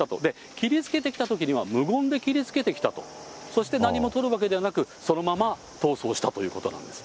切りつけてきたときには無言で切りつけてきたと、そして何もとるわけでもなく、そのまま逃走したということなんです。